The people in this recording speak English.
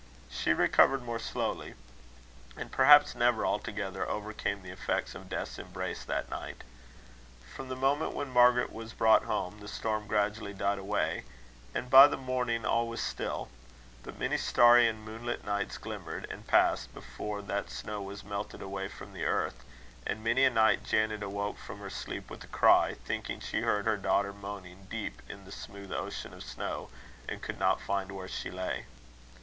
She recovered more slowly, and perhaps never altogether overcame the effects of Death's embrace that night. From the moment when Margaret was brought home, the storm gradually died away, and by the morning all was still; but many starry and moonlit nights glimmered and passed, before that snow was melted away from the earth; and many a night Janet awoke from her sleep with a cry, thinking she heard her daughter moaning, deep in the smooth ocean of snow, and could not find where she lay.